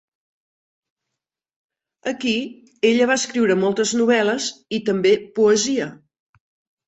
Aquí ella va escriure moltes novel·les i també poesia.